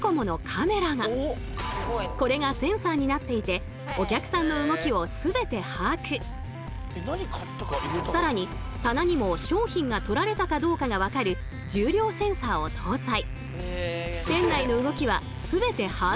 これがセンサーになっていて更に棚にも商品が取られたかどうかが分かる重量センサーを搭載。